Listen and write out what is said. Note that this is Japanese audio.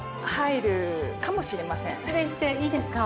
失礼していいですか？